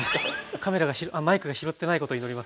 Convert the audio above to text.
カメラがマイクが拾ってないことを祈ります。